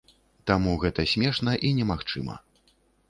Таму гэта смешна і немагчыма.